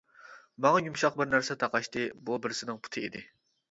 ماڭا يۇمشاق بىر نەرسە تاقاشتى، بۇ بىرسىنىڭ پۇتى ئىدى.